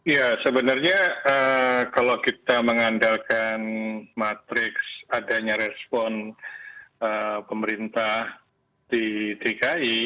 ya sebenarnya kalau kita mengandalkan matriks adanya respon pemerintah di dki